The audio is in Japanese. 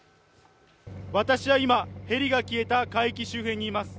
私は今、ヘリが消えた海域にいます。